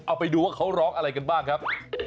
เอาไปดูว่าเขาร้องอะไรกันบ้างครับ